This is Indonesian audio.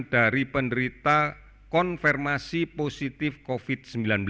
dari penderita konfirmasi positif covid sembilan belas